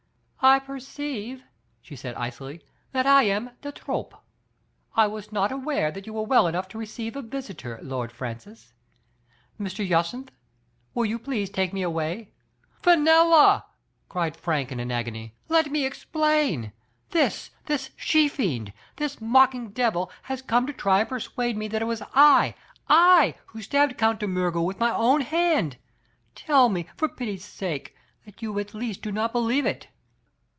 "I perceive, she said icily, "that I am de trop. I was not aware that you were well enough to receive a visitor, Lord Francis. Mr. Jacynth, will you please take me away?" "Fenella! cried Frank in an agony. "Let me explain! This, this she fiend, this mocking devil has come to try and persuade me that it was I — /who stabbed Count de Miirger with my own hand ! Tell me, for pity's sake, that you at least do not believe it